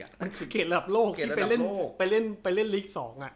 มันคือเกรดระดับโลกที่ไปเล่นลีก๒